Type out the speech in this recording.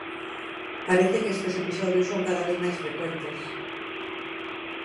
Parece que estes episodios son cada vez máis frecuentes.